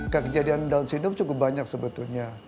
kejadian down syndrome cukup banyak sebetulnya